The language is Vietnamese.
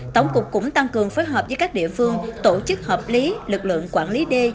tổng cục cũng tăng cường phối hợp với các địa phương tổ chức hợp lý lực lượng quản lý đê